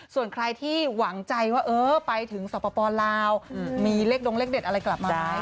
ส่วนใครที่หวังใจว่าเออไปถึงสปลาวมีเลขดงเลขเด็ดอะไรกลับมาไหม